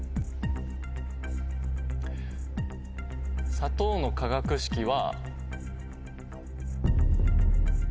砂糖の化学式は。